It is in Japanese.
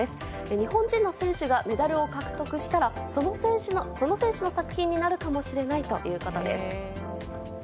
日本人の選手がメダルを獲得したらその選手の作品になるかもしれないということです。